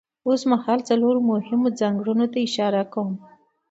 اوسمهال څلورو مهمو ځانګړنو ته اشاره کوم.